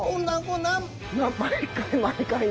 毎回毎回ね。